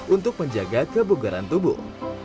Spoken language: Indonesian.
untuk menjaga kebugaran tubuh